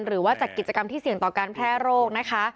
หรือว่าจัดกิจกรรมที่เสี่ยงต่อการแพร่โรคนะคะ